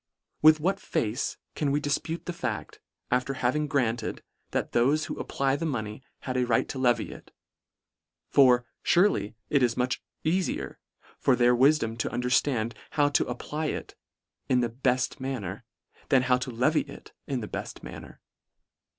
With what face can we difpute the fact, after having granted, that thofe who apply the money, had a right to levy it ; for, furely, it is much eafier for their wifdom to underftand how to apply it in the belt manner, than how to levy it in the befl: manner.